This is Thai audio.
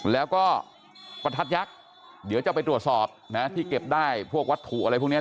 แล้วก็ประทัดยักษ์เดี๋ยวจะไปตรวจสอบนะที่เก็บได้พวกวัตถุอะไรพวกนี้